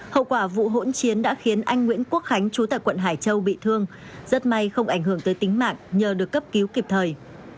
hậu quả vụ hỗn chiến đã khiến anh nguyễn quốc khánh chú tại quận hải châu bị thương rất may không ảnh hưởng tới tính mạng nhờ được cấp cứu kịp thời